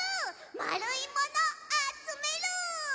まるいものあつめる！